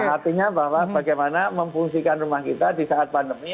artinya bahwa bagaimana memfungsikan rumah kita di saat pandemi